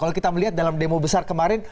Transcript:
kalau kita melihat dalam demo besar kemarin